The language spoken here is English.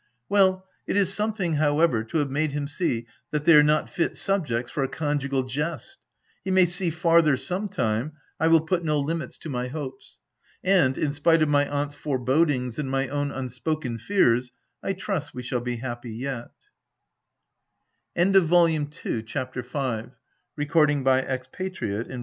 Well ! it is some thing, however, to have made him see that they are not fit subjects for a conjugal jest. He may see farther sometime — I will put no limits to my hopes; and, in spite of my aunt's fore bodings and my own unspoken fears, I trust we shall be happy yet.